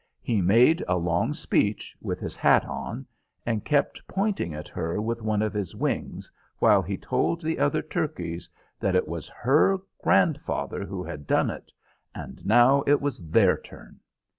He made a long speech, with his hat on, and kept pointing at her with one of his wings, while he told the other turkeys that it was her grandfather who had done it, and now it was their turn.